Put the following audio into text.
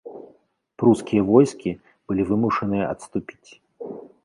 Прускія войскі былі вымушаныя адступіць.